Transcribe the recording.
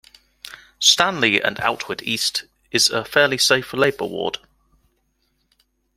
Stanley and Outwood East is a fairly safe Labour ward.